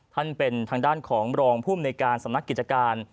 เป็นทางด้านของรองภูมิในการสำนักกิจการ